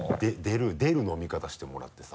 出る飲み方してもらってさ。